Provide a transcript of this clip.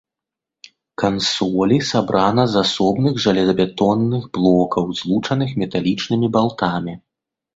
Кансолі сабрана з асобных жалезабетонных блокаў, злучаных металічнымі балтамі.